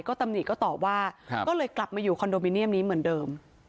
ตำหนิก็ตอบว่าก็เลยกลับมาอยู่คอนโดมิเนียมนี้เหมือนเดิม